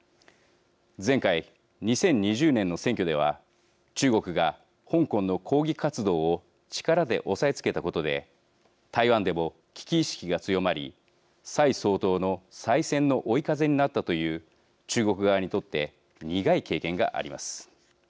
前回、２０２０年の選挙では中国が香港の抗議活動を力で押さえつけたことで台湾でも危機意識が強まり蔡総統の再選の追い風になったという中国側にとって苦い経験があります。